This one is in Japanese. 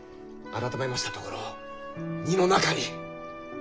あらためましたところ荷の中に。